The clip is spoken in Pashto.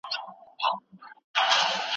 اصلي ستونزې تر سیوري لاندې پاتې کېږي.